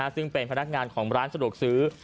ซึ่งเป็นพนักงานของร้านสะดวกซื้อ